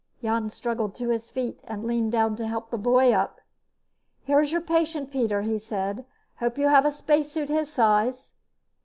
Jan struggled to his feet and leaned down to help the boy up. "Here's your patient, Pieter," he said. "Hope you have a spacesuit in his size."